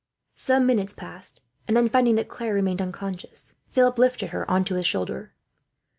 Some minutes passed, and then, finding that Claire remained unconscious, Philip lifted her on to his shoulder.